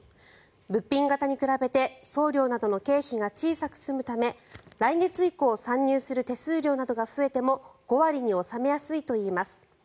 物品型に比べて送料などの経費が小さく済むため来月以降、算入する手数料などが増えても５割に収めやすいといいます。